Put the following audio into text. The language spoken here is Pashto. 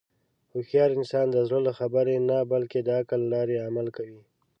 هوښیار انسان د زړه له خبرې نه، بلکې د عقل له لارې عمل کوي.